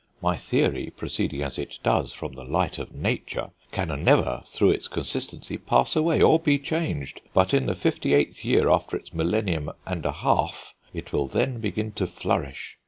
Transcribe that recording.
My theory, proceeding as it does from the light of Nature, can never, through its consistency, pass away or be changed; but in the fifty eighth year after its millennium and a half it will then begin to flourish.